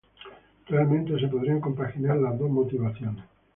Realmente, se podrían compaginar las dos motivaciones.